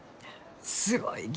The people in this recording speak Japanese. すごいき！